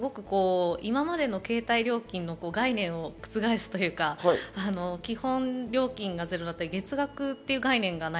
今までの携帯料金の概念を覆すというか、基本料金が０円だったり月額という概念がない。